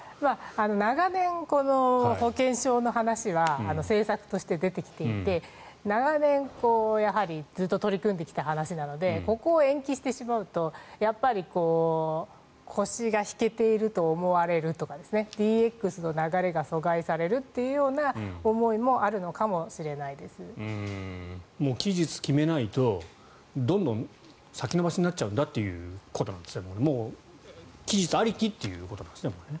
長年、この保険証の話は政策として出てきていて長年、やはりずっと取り組んできた話なのでここを延期してしまうと腰が引けていると思われるとかＤＸの流れが阻害されるというような思いも期日を決めないとどんどん先延ばしになっちゃうんだということでもう期日ありきということなんですね。